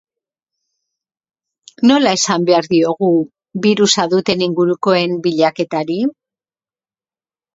Nola esan behar diogu birusa duten ingurukoen bilaketari?